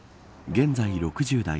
現在６０代。